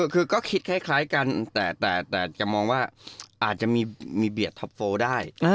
คือก็คิดคล้ายกันแต่จะมองว่าอาจจะมีเบียดท็อปโฟลได้